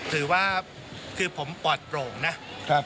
ถือว่าคือผมปลอดโปร่งนะ